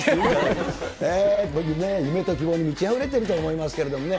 夢と希望に満ちあふれてると思いますけれどもね。